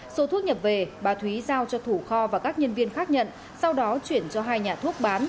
số thuốc nhập về bà thúy giao cho thủ kho và các nhân viên khác nhận sau đó chuyển cho hai nhà thuốc bán